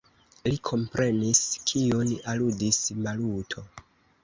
Li komprenis, kiun aludis Maluto.